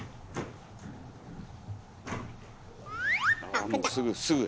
あもうすぐすぐや。